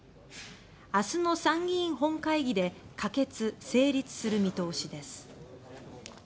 明日の参議院本会議で可決・成立する見通しです。